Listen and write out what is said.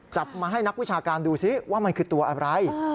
จับมาให้นักวิชาการดูซิว่ามันคือตัวอะไร